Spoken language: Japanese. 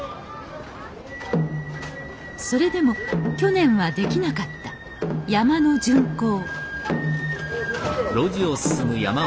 それでも去年はできなかった山車の巡行